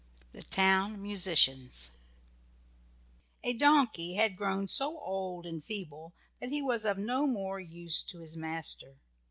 THE TOWN MUSICIANS A donkey had grown so old and feeble that he was of no more use to his master.